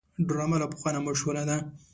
ډرامه له پخوا نه مشهوره ده